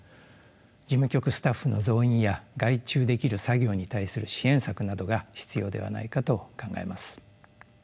事務局スタッフの増員や外注できる作業に対する支援策などが必要ではないかと考えます。